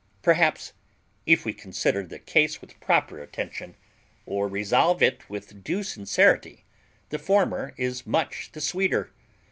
Perhaps, if we consider the case with proper attention, or resolve it with due sincerity, the former is much the sweeter.